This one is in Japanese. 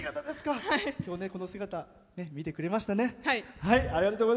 今日、この姿見てくれましたね。